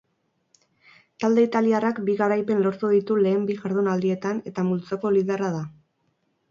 Talde italiarrak bi garaipen lortu ditu lehen bi jardunaldietan eta multzoko liderra da.